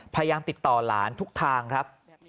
พยายามติดต่อหลานทุกทางครับ